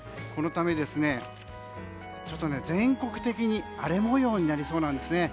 このため、全国的に荒れ模様になりそうです。